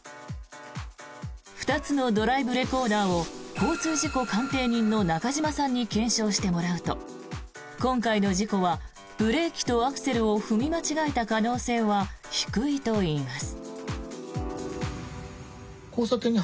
２つのドライブレコーダーを交通事故鑑定人の中島さんに検証してもらうと今回の事故はブレーキとアクセルを踏み間違えた可能性は低いといいます。